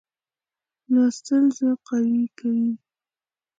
لوستل زه قوي کوي.